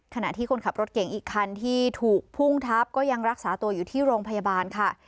ขณะที่คนขับรถเก่งอีกคันที่ถูกพุ่งทับก็ยังรักษาตัวอยู่ที่โรงพยาบาลค่ะ